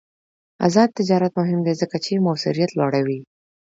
آزاد تجارت مهم دی ځکه چې موثریت لوړوي.